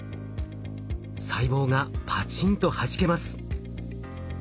細胞がパチンとはじけます。